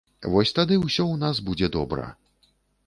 Вось тады ўсё у нас будзе добра.